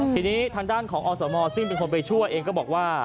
ทีนี้ทางด้านของอสมซึ่งเป็นคนไปช่วยเองก็บอกว่า